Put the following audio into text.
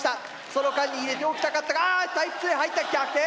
その間に入れておきたかったがああタイプ２入った！逆転！